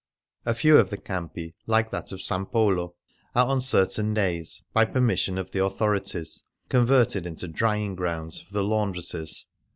A few of the campi, like that of S. Polo, are on certain days, by permission of the authorities, con verted into drying grounds for the laundresses.